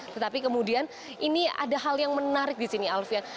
tetapi kemudian ini ada hal yang menarik di sini alfian